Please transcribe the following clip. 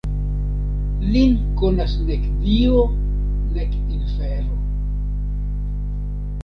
Lin konas nek Dio nek infero.